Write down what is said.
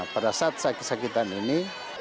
pada saat sakit sakitan ini